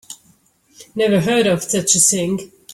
Never heard of such a thing.